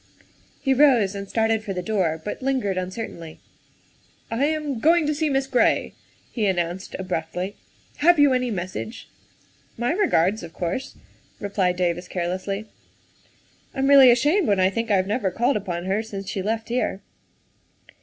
He rose and started for the door, but lingered uncer tainly. " I am going to see Miss Gray," he announced abruptly. '' Have you any message ?''" My regards, of course," replied David carelessly. "I'm really ashamed when I think I have never called upon her since she left here.